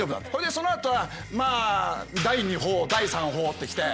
そのあとはまあ第二報第三報って来て。